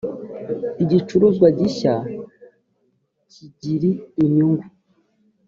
igicuruzwa gishya kigiri inyungu.